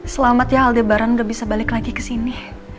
selamat ya aldebaran udah bisa balik lagi kesini